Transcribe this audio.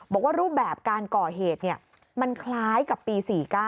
บอกว่ารูปแบบการก่อเหตุมันคล้ายกับปี๔๙